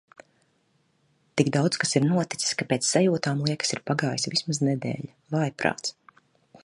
Tik daudz kas ir noticis, ka pēc sajūtām liekas ir pagājusi vismaz nedēļa. Vājprāts!